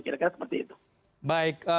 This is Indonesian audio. saya kira seperti itu baik